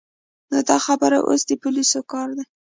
نو دا خبره اوس د پولیسو کار دی.